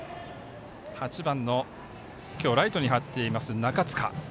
８番、今日ライトに入っています中塚。